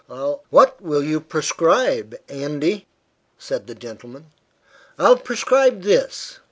"Well, what will you prescribe, Andy?" said the gentleman. "I'll prescribe this."